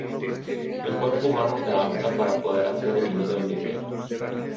El cuerpo humano se adapta para poder hacer el buceo libre.